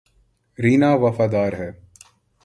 رینا وفادار ہے